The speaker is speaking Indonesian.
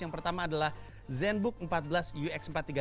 yang pertama adalah zenbook empat belas ux empat ratus tiga puluh